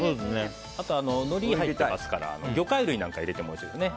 あとは、のりが入っていますから魚介類なんか入れてもいいですね。